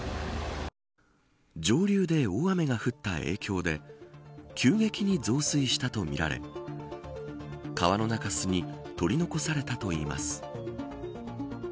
上流で大雨が降った影響で急激に増水したとみられ川の中州に取り残されたといいます。